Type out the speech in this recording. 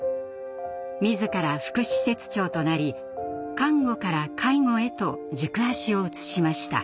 自ら副施設長となり看護から介護へと軸足を移しました。